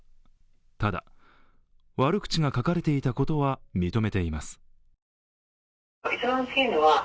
ただ、悪口が書かれていたことは認めています。